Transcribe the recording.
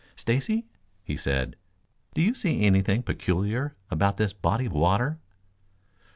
"Stacy," he said, "do you see anything peculiar about this body of water?"